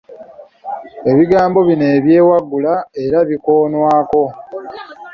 Ebigambo bino ebyewaggula era bikoonwako.